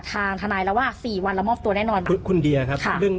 ทางธนายแล้วว่าสี่วันเรามอบตัวแน่นอนคุณเดียครับค่ะเรื่อง